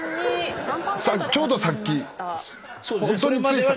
ちょうどさっき。